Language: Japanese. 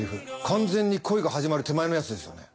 完全に恋が始まる手前のやつですよね。